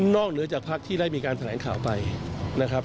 เหนือจากพักที่ได้มีการแถลงข่าวไปนะครับ